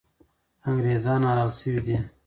انګریزان حلال سوي دي.